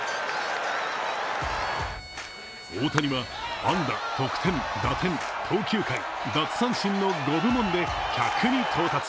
大谷は安打、得点、打点、投球回、奪三振の５部門で１００に到達。